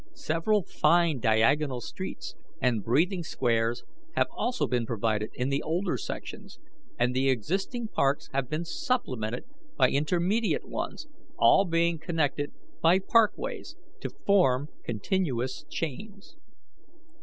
Several fine diagonal streets and breathing squares have also been provided in the older sections, and the existing parks have been supplemented by intermediate ones, all being connected by parkways to form continuous chains.